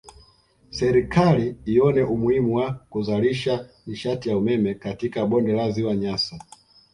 Serikali ione umuhimu wa kuzalisha nishati ya umeme katika bonde la ziwa Nyasa